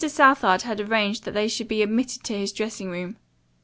Southard had arranged that they should be admitted to his dressing room.